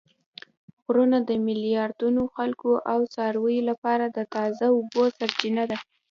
غرونه د میلیاردونو خلکو او څارویو لپاره د تازه اوبو سرچینه ده